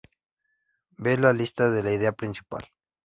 Vea la lista en Idea Principal.